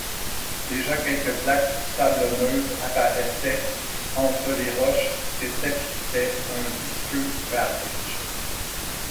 Déjà quelques plaques sablonneuses apparaissaient entre les roches que tapissait un visqueux varech.